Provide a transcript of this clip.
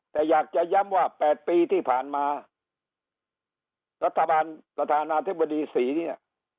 แต่อยากจะย้ำว่า๘ปีที่ผ่านมารัฐบาลประธานาธิบดีศรีเนี่ย